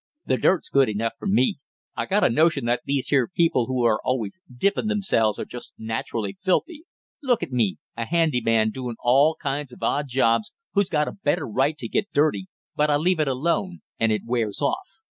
The dirt's good enough for me; I got a notion that these here people who are always dippin' themselves are just naturally filthy. Look at me, a handy man doing all kinds of odd jobs, who's got a better right to get dirty but I leave it alone and it wears off.